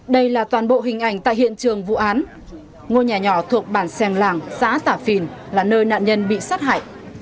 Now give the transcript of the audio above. đây là toàn bộ hình ảnh tại hiện trường vụ án ngôi nhà nhỏ thuộc bản seng làng xã tạp vìn là nơi nạn nhân bị sát hại